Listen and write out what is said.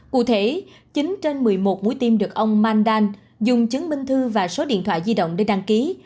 cụ thể chín trên một mươi một mũi tim được ông mandan dùng chứng minh thư và số điện thoại di động để đăng ký